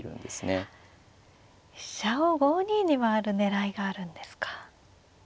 あっ飛車を５二に回る狙いがあるんですか。